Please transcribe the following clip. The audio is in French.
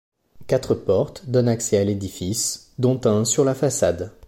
Quatre portes donnent accès à l'édifice dont un sur la façade.